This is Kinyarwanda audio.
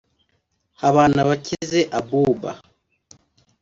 Habanabakize Abuba